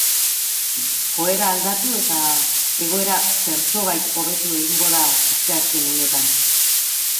Joera aldatu eta egoera zertxobait hobetu egingo da asteazken honetan.